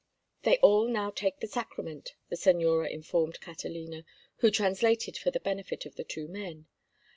"They all now take the sacrament," the señora informed Catalina, who translated for the benefit of the two men.